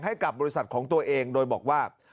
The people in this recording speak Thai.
ให้กับบริษัทของตัวเองโดยบอกว่า